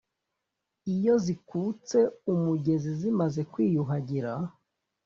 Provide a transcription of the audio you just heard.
iyo zikutse umugezi zimaze kwiyuhagira;